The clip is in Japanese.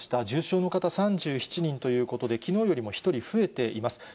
重症の方３７人ということで、きのうよりも１人増えています。